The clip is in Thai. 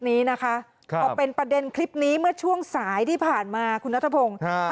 เอาเป็นประเด็นคลิปนี้เมื่อช่วงสายที่ผ่านมาคุณรับทรภงค่ะ